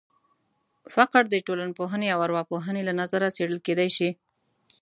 فقر د ټولنپوهنې او ارواپوهنې له نظره څېړل کېدای شي.